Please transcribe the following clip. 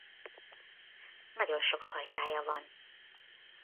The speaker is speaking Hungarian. Nagyon sok fajtája van.